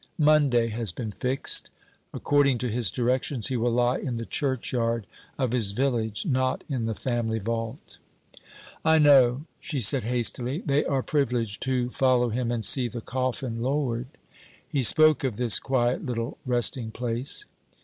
'Monday has been fixed. According to his directions, he will lie in the churchyard of his village not in the family vault.' 'I know,' she said hastily. 'They are privileged who follow him and see the coffin lowered. He spoke of this quiet little resting place.'